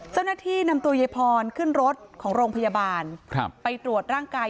เจ้าหน้าที่นำตัวยายพรขึ้นรถของโรงพยาบาลไปตรวจร่างกาย